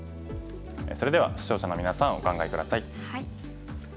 それでは視聴者のみなさんお考え下さい。